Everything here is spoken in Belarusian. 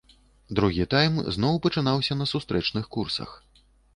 Другі тайм зноў пачынаўся на сустрэчных курсах.